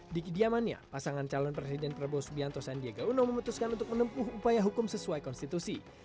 di kediamannya pasangan calon presiden prabowo subianto sandiaga uno memutuskan untuk menempuh upaya hukum sesuai konstitusi